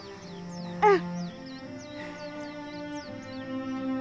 うん。